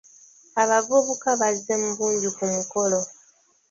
Abavubuka bazze mu bungi ku mukolo.